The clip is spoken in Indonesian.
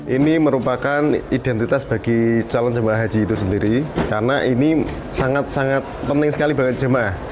ini merupakan identitas bagi calon jemaah haji itu sendiri karena ini sangat sangat penting sekali bagi jemaah